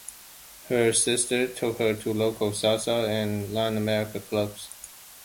Her sister took her to local salsa and Latin American clubs.